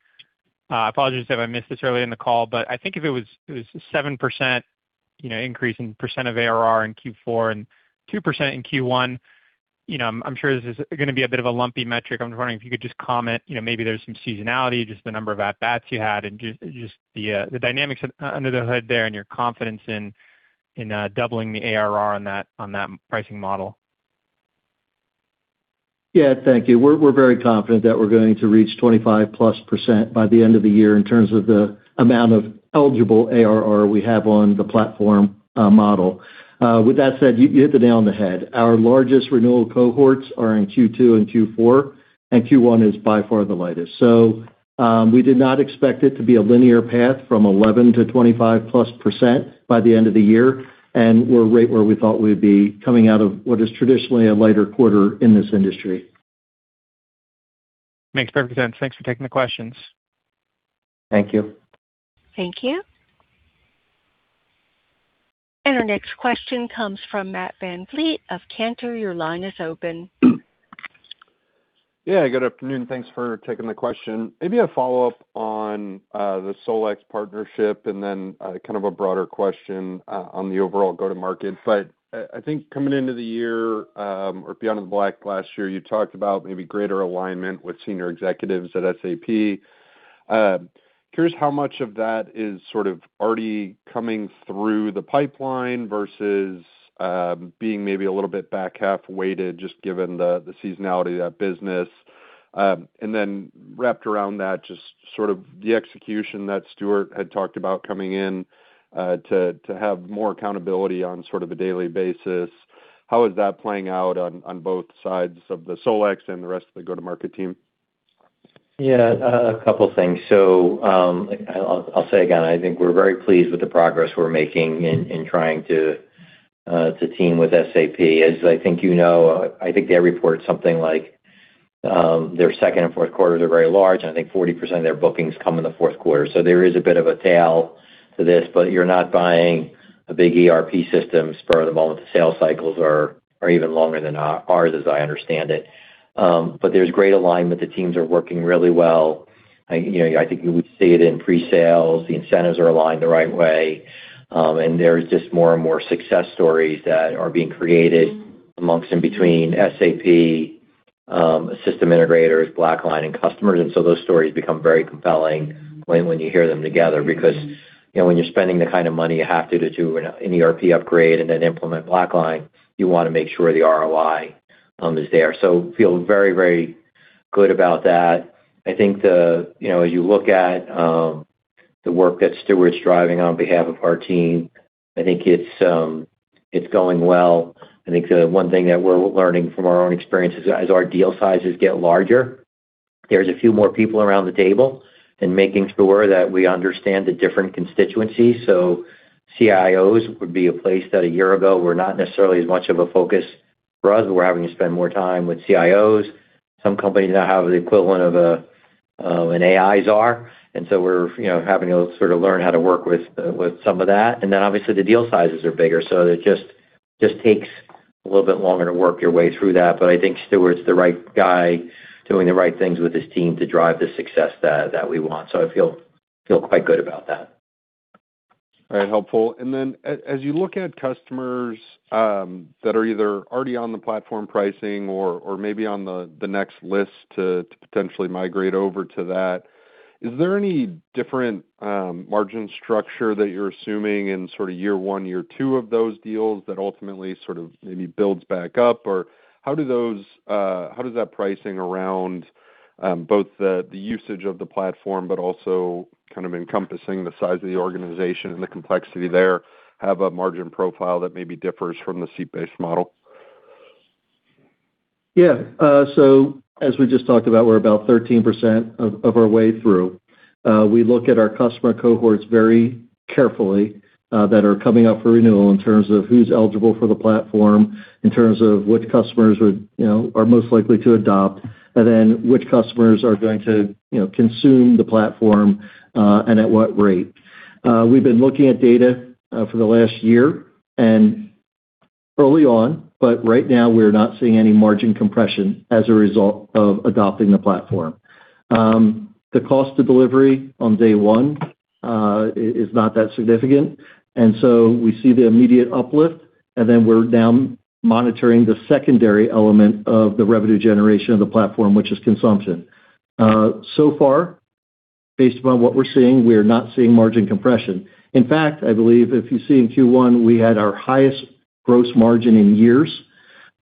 Apologies if I missed this earlier in the call, but I think if it was, it was 7%, you know, increase in percent of ARR in Q4 and 2% in Q1, you know, I'm sure this is gonna be a bit of a lumpy metric. I'm wondering if you could just comment, you know, maybe there's some seasonality, just the number of at-bats you had and just the dynamics under the hood there and your confidence in doubling the ARR on that, on that pricing model. Yeah. Thank you. We're very confident that we're going to reach 25%+ by the end of the year in terms of the amount of eligible ARR we have on the platform model. With that said, you hit the nail on the head. Our largest renewal cohorts are in Q2 and Q4. Q1 is by far the lightest. We did not expect it to be a linear path from 11% to 25%+ by the end of the year. We're right where we thought we'd be coming out of what is traditionally a lighter quarter in this industry. Makes perfect sense. Thanks for taking the questions. Thank you. Thank you. Our next question comes from Matt VanVliet of Cantor. Your line is open. Good afternoon. Thanks for taking the question. Maybe a follow-up on the SolEx partnership and then kind of a broader question on the overall go-to-market. I think coming into the year, or BeyondTheBlack last year, you talked about maybe greater alignment with senior executives at SAP. Curious how much of that is sort of already coming through the pipeline versus being maybe a little bit back half weighted just given the seasonality of that business. Wrapped around that, just sort of the execution that Stuart had talked about coming in to have more accountability on sort of a daily basis. How is that playing out on both sides of the SolEx and the rest of the go-to-market team? Yeah. A couple things. I will say again, I think we are very pleased with the progress we are making in trying to team with SAP. As I think you know, I think they report something like their second and fourth quarters are very large. I think 40% of their bookings come in the fourth quarter. There is a bit of a tail to this. You are not buying a big ERP system spur of the moment. The sales cycles are even longer than ours, as I understand it. There is great alignment. The teams are working really well. You know, I think you would see it in pre-sales. The incentives are aligned the right way. There's just more and more success stories that are being created amongst and between SAP, system integrators, BlackLine, and customers. Those stories become very compelling when you hear them together because, you know, when you're spending the kind of money you have to do an ERP upgrade and then implement BlackLine, you wanna make sure the ROI is there. Feel very, very good about that. You know, as you look at the work that Stuart's driving on behalf of our team, I think it's going well. I think the one thing that we're learning from our own experiences, as our deal sizes get larger, there's a few more people around the table and making sure that we understand the different constituencies. CIOs would be a place that a year ago were not necessarily as much of a focus for us. We're having to spend more time with CIOs. Some companies now have the equivalent of an AI czar, we're, you know, having to sort of learn how to work with some of that. Obviously the deal sizes are bigger, it just takes a little bit longer to work your way through that. I think Stuart's the right guy doing the right things with his team to drive the success that we want. I feel quite good about that. Very helpful. Then as you look at customers that are either already on the platform pricing or maybe on the next list to potentially migrate over to that, is there any different margin structure that you're assuming in sort of year one, year two of those deals that ultimately sort of maybe builds back up? How does that pricing around both the usage of the platform but also kind of encompassing the size of the organization and the complexity there have a margin profile that maybe differs from the seat-based model? Yeah. So as we just talked about, we're about 13% of our way through. We look at our customer cohorts very carefully, that are coming up for renewal in terms of who's eligible for the platform, in terms of which customers would, you know, are most likely to adopt, and then which customers are going to, you know, consume the platform, and at what rate. We've been looking at data for the last year and early on, but right now we're not seeing any margin compression as a result of adopting the platform. The cost to delivery on day one is not that significant. So we see the immediate uplift, and then we're now monitoring the secondary element of the revenue generation of the platform, which is consumption. So far, based upon what we're seeing, we are not seeing margin compression. In fact, I believe if you see in Q1, we had our highest gross margin in years,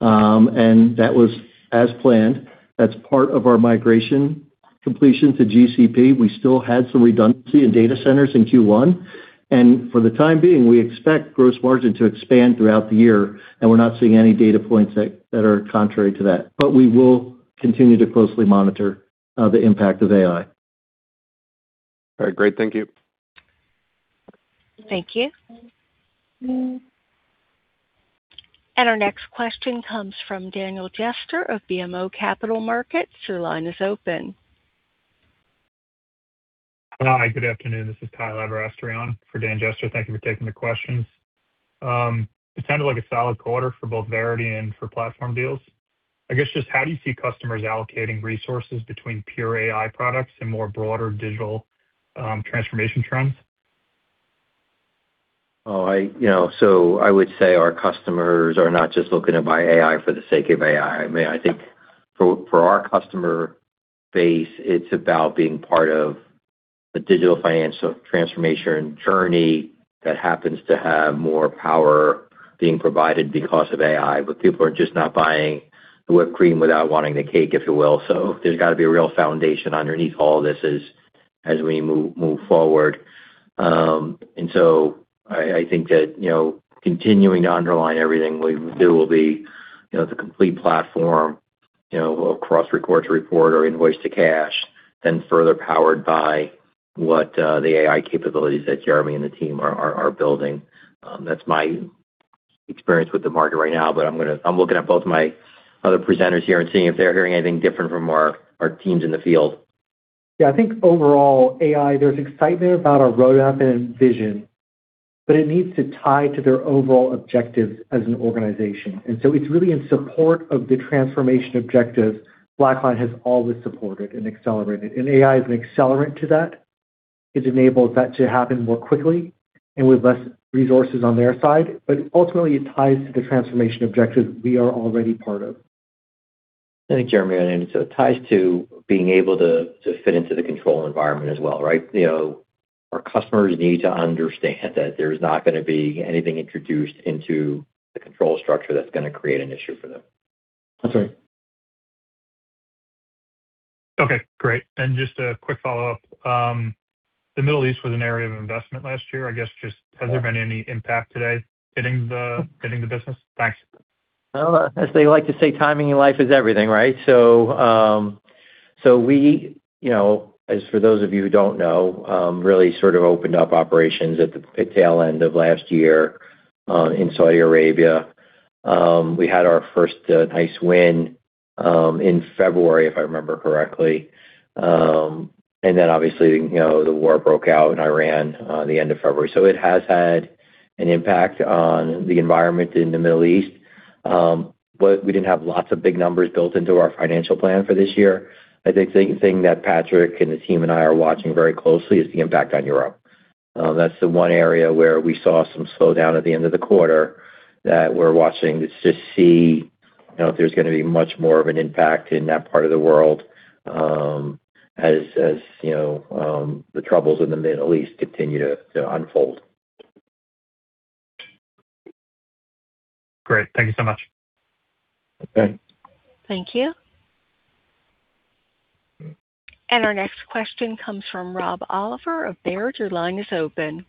and that was as planned. That's part of our migration completion to GCP. We still had some redundancy in data centers in Q1. For the time being, we expect gross margin to expand throughout the year, and we're not seeing any data points that are contrary to that. We will continue to closely monitor the impact of AI. All right. Great. Thank you. Thank you. Our next question comes from Daniel Jester of BMO Capital Markets. Your line is open. Hi, good afternoon. This is Kyle Aberasturi on for Dan Jester. Thank you for taking the questions. It sounded like a solid quarter for both Verity and for platform deals. I guess just how do you see customers allocating resources between pure AI products and more broader digital transformation trends? You know, I would say our customers are not just looking to buy AI for the sake of AI. I mean, I think for our customer base, it's about being part of the digital financial transformation journey that happens to have more power being provided because of AI. People are just not buying the whipped cream without wanting the cake, if you will. There's got to be a real foundation underneath all this as we move forward. I think that, you know, continuing to underline everything we do will be the complete platform across Record-to-Report or Invoice-to-Cash, then further powered by the AI capabilities that Jeremy and the team are building. That's my experience with the market right now, but I'm looking at both my other presenters here and seeing if they're hearing anything different from our teams in the field. Yeah. I think overall, AI, there's excitement about our roadmap and vision, but it needs to tie to their overall objectives as an organization. It's really in support of the transformation objectives BlackLine has always supported and accelerated. AI is an accelerant to that. It enables that to happen more quickly and with less resources on their side. Ultimately, it ties to the transformation objectives we are already part of. I think, Jeremy, it ties to being able to fit into the control environment as well, right? You know, our customers need to understand that there's not gonna be anything introduced into the control structure that's gonna create an issue for them. That's right. Okay, great. Just a quick follow-up. The Middle East was an area of investment last year. I guess just, has there been any impact today hitting the business? Thanks. Well, as they like to say, timing in life is everything, right? We, you know, as for those of you who don't know, really sort of opened up operations at the tail end of last year, in Saudi Arabia. We had our first, nice win, in February, if I remember correctly. And then obviously, you know, the war broke out in Iran, the end of February. It has had an impact on the environment in the Middle East. We didn't have lots of big numbers built into our financial plan for this year. I think the thing that Patrick and his team and I are watching very closely is the impact on Europe. That's the one area where we saw some slowdown at the end of the quarter that we're watching to see, you know, if there's going to be much more of an impact in that part of the world, as, you know, the troubles in the Middle East continue to unfold. Great. Thank you so much. Okay. Thank you. Our next question comes from Rob Oliver of Baird. Your line is open.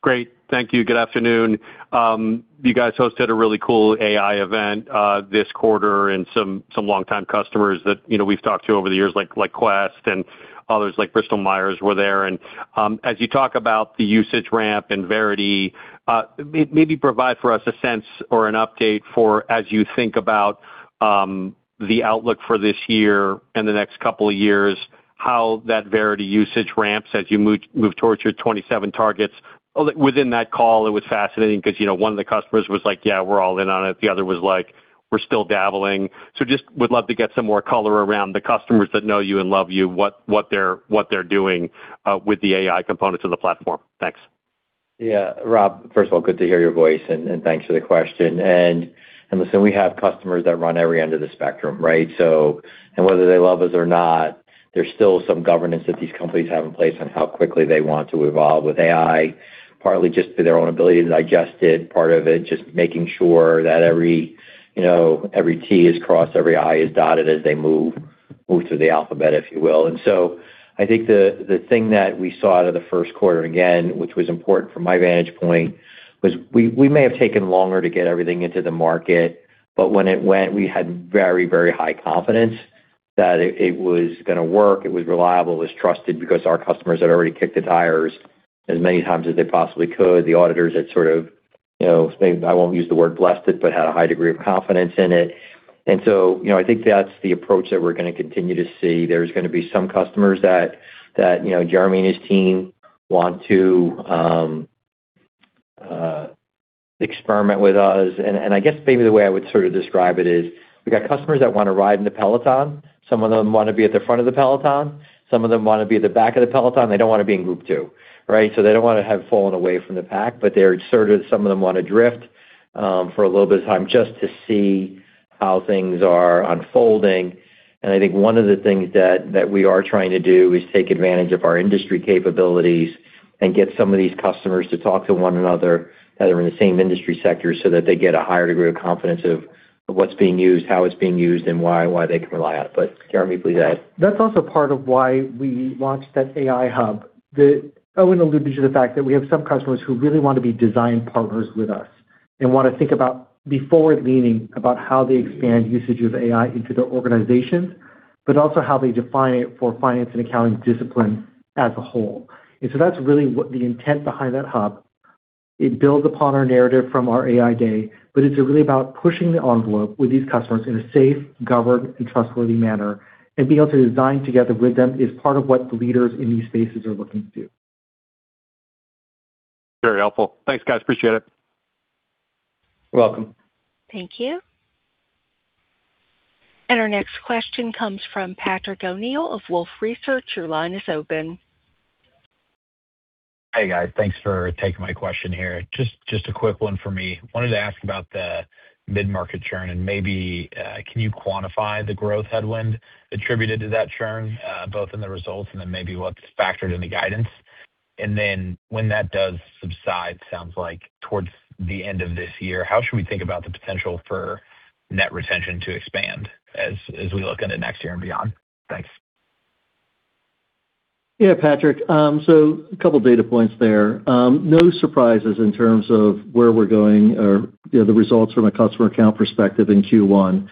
Great. Thank you. Good afternoon. You guys hosted a really cool AI event this quarter, and some longtime customers that, you know, we've talked to over the years like Quest and others like Bristol Myers were there. As you talk about the usage ramp and Verity, maybe provide for us a sense or an update for as you think about the outlook for this year and the next couple of years, how that Verity usage ramps as you move towards your 2027 targets. Within that call, it was fascinating 'cause, you know, one of the customers was like, "Yeah, we're all in on it." The other was like, "We're still dabbling." Just would love to get some more color around the customers that know you and love you, what they're doing with the AI components of the platform. Thanks. Yeah. Rob, first of all, good to hear your voice, and thanks for the question. Listen, we have customers that run every end of the spectrum, right? Whether they love us or not, there's still some governance that these companies have in place on how quickly they want to evolve with AI, partly just to their own ability to digest it, part of it just making sure that every, you know, every T is crossed, every I is dotted as they move through the alphabet, if you will. I think the thing that we saw out of the first quarter, again, which was important from my vantage point, was we may have taken longer to get everything into the market, but when it went, we had very, very high confidence that it was gonna work, it was reliable, it was trusted because our customers had already kicked the tires as many times as they possibly could. The auditors had sort of, you know, I won't use the word blessed it, but had a high degree of confidence in it. You know, I think that's the approach that we're gonna continue to see. There's gonna be some customers that, you know, Jeremy and his team want to experiment with us. I guess maybe the way I would sort of describe it is we got customers that wanna ride in the peloton. Some of them wanna be at the front of the peloton, some of them wanna be at the back of the peloton. They don't wanna be in group two, right? They don't wanna have fallen away from the pack, but some of them wanna drift for a little bit of time just to see how things are unfolding. I think one of the things that we are trying to do is take advantage of our industry capabilities and get some of these customers to talk to one another that are in the same industry sector so that they get a higher degree of confidence of what's being used, how it's being used and why they can rely on it. Jeremy, please add. That's also part of why we launched that AI hub. Owen alluded to the fact that we have some customers who really want to be design partners with us and wanna think about be forward-leaning about how they expand usage of AI into their organizations, but also how they define it for finance and accounting discipline as a whole. That's really what the intent behind that hub. It builds upon our narrative from our AI Day, but it's really about pushing the envelope with these customers in a safe, governed, and trustworthy manner. Being able to design together with them is part of what the leaders in these spaces are looking to do. Very helpful. Thanks, guys. Appreciate it. You're welcome. Thank you. Our next question comes from Patrick O'Neill of Wolfe Research. Your line is open. Hey, guys. Thanks for taking my question here. Just a quick one for me. Wanted to ask about the mid-market churn, and maybe, can you quantify the growth headwind attributed to that churn, both in the results and then maybe what's factored in the guidance? When that does subside, sounds like towards the end of this year, how should we think about the potential for net retention to expand as we look into next year and beyond? Thanks. Yeah, Patrick. A couple data points there. No surprises in terms of where we're going or, you know, the results from a customer account perspective in Q1.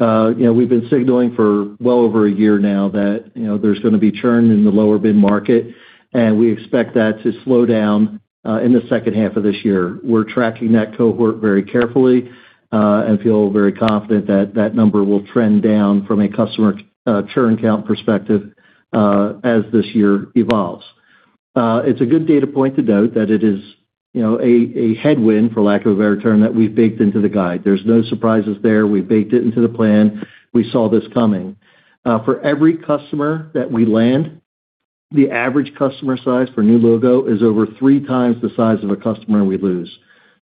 You know, we've been signaling for well over a year now that, you know, there's going to be churn in the lower bid market, and we expect that to slow down in the second half of this year. We're tracking that cohort very carefully, and feel very confident that that number will trend down from a customer churn count perspective as this year evolves. It's a good data point to note that it is, you know, a headwind, for lack of a better term, that we've baked into the guide. There's no surprises there. We baked it into the plan. We saw this coming. For every customer that we land, the average customer size for new logo is over three times the size of a customer we lose.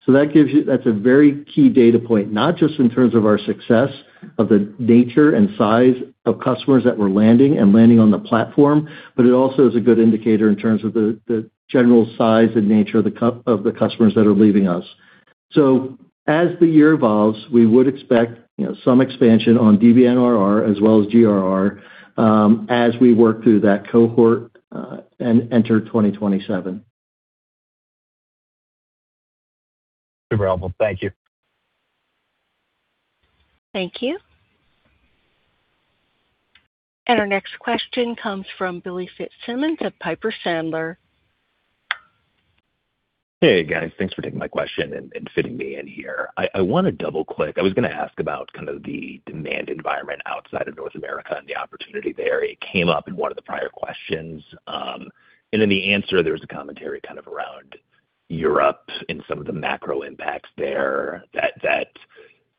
That's a very key data point, not just in terms of our success of the nature and size of customers that we're landing and landing on the platform, but it also is a good indicator in terms of the general size and nature of the customers that are leaving us. As the year evolves, we would expect, you know, some expansion on DBNRR as well as GRR as we work through that cohort and enter 2027. Super helpful. Thank you. Thank you. Our next question comes from Billy Fitzsimmons of Piper Sandler. Hey, guys. Thanks for taking my question and fitting me in here. I wanna double-click. I was gonna ask about kind of the demand environment outside of North America and the opportunity there. It came up in one of the prior questions, and in the answer, there was a commentary kind of around Europe and some of the macro impacts there.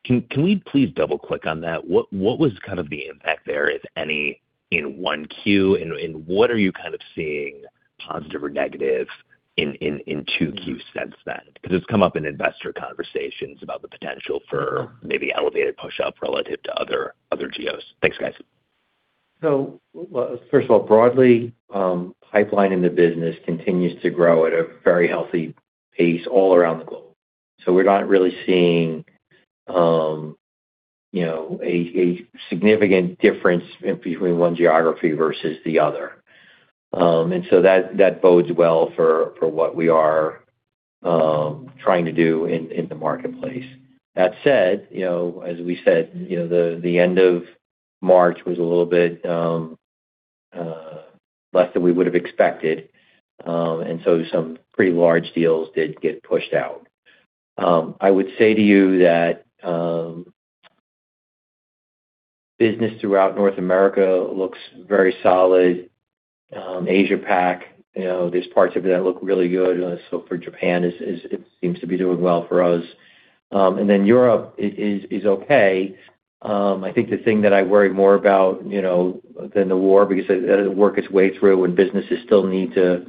Can we please double-click on that? What was kind of the impact there, if any, in 1Q? What are you kind of seeing positive or negative in 2Q since then? It's come up in investor conversations about the potential for maybe elevated pushup relative to other geos. Thanks, guys. Well, first of all, broadly, pipeline in the business continues to grow at a very healthy pace all around the globe. We're not really seeing, you know, a significant difference in between one geography versus the other. That bodes well for what we are trying to do in the marketplace. That said, you know, as we said, you know, the end of March was a little bit less than we would have expected, and some pretty large deals did get pushed out. I would say to you that business throughout North America looks very solid. Asia Pac, you know, there's parts of it that look really good. Japan is, it seems to be doing well for us. Then Europe is okay. I think the thing that I worry more about, you know, than the war, because as the war gets way through and businesses still need to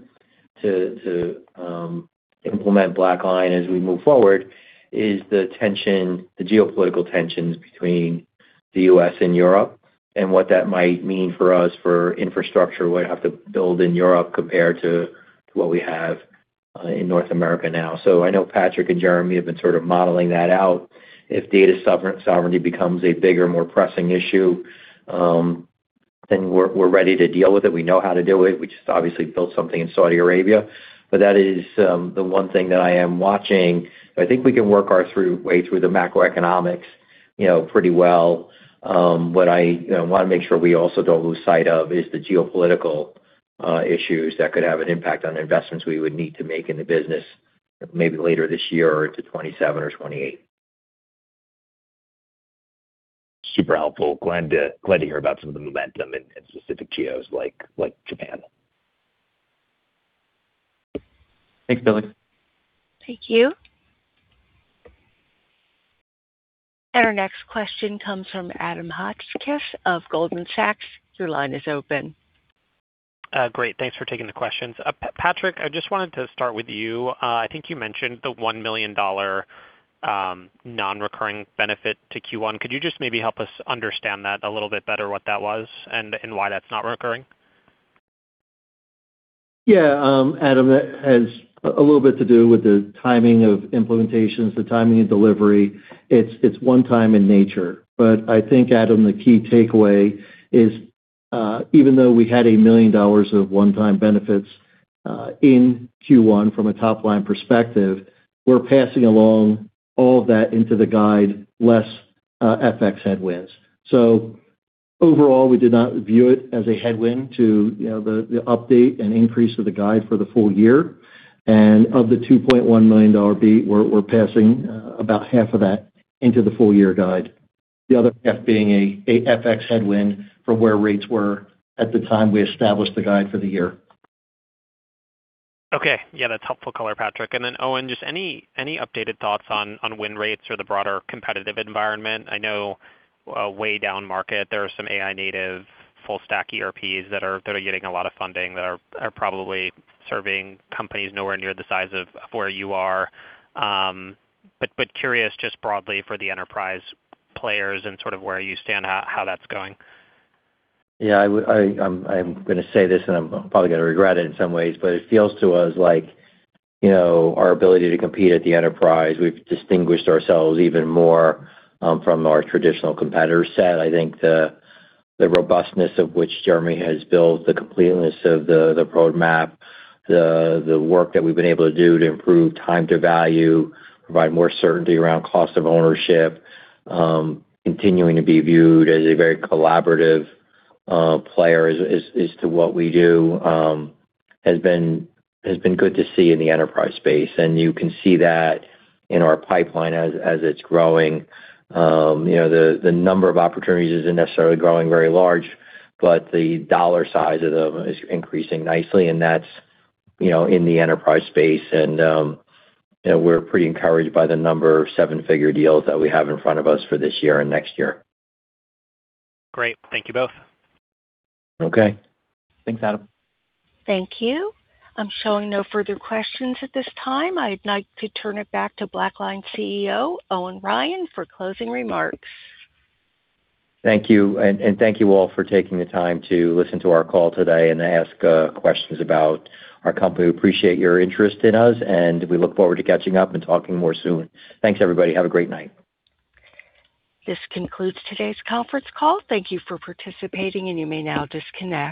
implement BlackLine as we move forward, is the tension, the geopolitical tensions between the U.S. and Europe and what that might mean for us for infrastructure we have to build in Europe compared to what we have in North America now. I know Patrick and Jeremy have been sort of modeling that out. If data sovereignty becomes a bigger, more pressing issue, we're ready to deal with it. We know how to deal with it. We just obviously built something in Saudi Arabia. That is the one thing that I am watching. I think we can work our way through the macroeconomics, you know, pretty well. What I, you know, wanna make sure we also don't lose sight of is the geopolitical issues that could have an impact on the investments we would need to make in the business maybe later this year or into 2027 or 2028. Super helpful. Glad to hear about some of the momentum in specific geos like Japan. Thanks, Billy. Thank you. Our next question comes from Adam Hotchkiss of Goldman Sachs. Your line is open. Great. Thanks for taking the questions. Patrick, I just wanted to start with you. I think you mentioned the $1 million non-recurring benefit to Q1. Could you just maybe help us understand that a little bit better, what that was and why that's not recurring? Yeah, Adam. That has a little bit to do with the timing of implementations, the timing of delivery. It's one time in nature. I think, Adam, the key takeaway is, even though we had $1 million of one-time benefits in Q1 from a top-line perspective, we're passing along all of that into the guide less FX headwinds. Overall, we did not view it as a headwind to, you know, the update and increase of the guide for the full year. Of the $2.1 million beat, we're passing about half of that into the full year guide. The other half being an FX headwind from where rates were at the time we established the guide for the year. Okay. Yeah, that's helpful color, Patrick. Owen, just any updated thoughts on win rates or the broader competitive environment? I know, way down market there are some AI native full stack ERPs that are getting a lot of funding that are probably serving companies nowhere near the size of where you are. Curious just broadly for the enterprise players and sort of where you stand, how that's going. I'm gonna say this and I'm probably gonna regret it in some ways, but it feels to us like, you know, our ability to compete at the enterprise, we've distinguished ourselves even more from our traditional competitor set. I think the robustness of which Jeremy has built, the completeness of the roadmap, the work that we've been able to do to improve time to value, provide more certainty around cost of ownership, continuing to be viewed as a very collaborative player as to what we do, has been good to see in the enterprise space. You can see that in our pipeline as it's growing. You know, the number of opportunities isn't necessarily growing very large, but the dollar size of them is increasing nicely, and that's, you know, in the enterprise space. You know, we're pretty encouraged by the number of seven-figure deals that we have in front of us for this year and next year. Great. Thank you both. Okay. Thanks, Adam. Thank you. I'm showing no further questions at this time. I'd like to turn it back to BlackLine CEO, Owen Ryan, for closing remarks. Thank you. Thank you all for taking the time to listen to our call today and ask questions about our company. We appreciate your interest in us, and we look forward to catching up and talking more soon. Thanks, everybody. Have a great night. This concludes today's conference call. Thank you for participating, and you may now disconnect.